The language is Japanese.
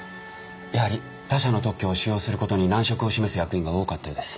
やはり他社の特許を使用する事に難色を示す役員が多かったようです。